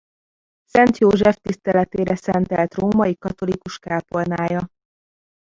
Szent József tiszteletére szentelt római katolikus kápolnája.